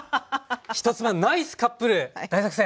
１つ目「ナイスカップル大作戦！」。